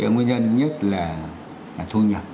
nguyên nhân nhất là thu nhập